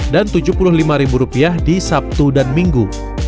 dan tujuh puluh lima rupiah di sabtu dan minggu